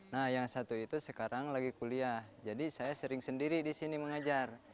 nah yang satu itu sekarang lagi kuliah jadi saya sering sendiri di sini mengajar